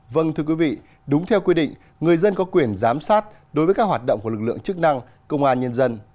vâng thưa quý vị đúng theo quy định người dân có quyền giám sát đối với các hoạt động của lực lượng chức năng công an nhân dân